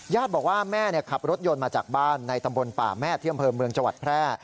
ญาติบอกว่าแม่ขับรถยนต์มาจากบ้านในตำบลป่าแม่เที่ยมเพิ่มเมืองจวัดแพร่